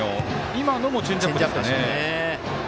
今のもチェンジアップですかね。